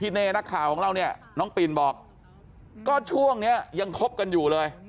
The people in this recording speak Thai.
เน่นักข่าวของเราเนี่ยน้องปิ่นบอกก็ช่วงนี้ยังคบกันอยู่เลย